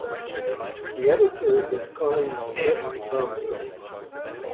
The editor is Colleen Smith Armstrong.